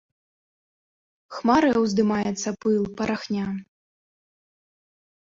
Хмарай уздымаецца пыл, парахня.